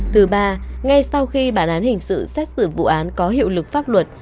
thứ ba ngay sau khi bản án hình sự xét xử vụ án có hiệu lực pháp luật